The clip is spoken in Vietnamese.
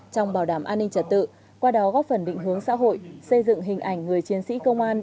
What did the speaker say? trong bảo đảm an ninh trật tự qua đó góp phần định hướng xã hội xây dựng hình ảnh người chiến sĩ công an